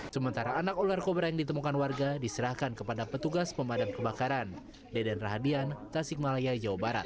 sementara anak ular kobra yang ditemukan warga diserahkan kepada petugas pemadam kebakaran deden rahadian tasikmalaya jawa barat